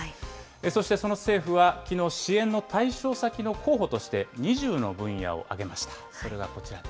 そしてその政府は、きのう、支援の対象先の候補として、２０の分野を挙げました。